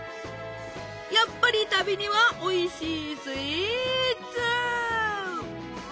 やっぱり旅にはおいしいスイーツ！